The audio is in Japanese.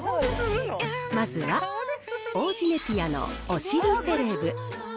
まずは王子ネピアのおしりセレブ。